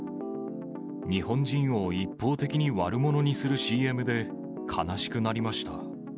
日本人を一方的に悪者にするＣＭで、悲しくなりました。